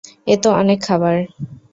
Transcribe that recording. এ তো অনেক খাবার।